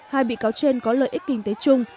hai bị cáo trên có lợi ích kinh tế chung